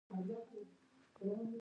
زه یو ځل حبشې ته د جګړې لپاره تللی وم.